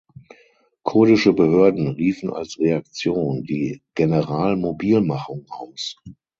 Kurdische Behörden riefen als Reaktion die Generalmobilmachung aus.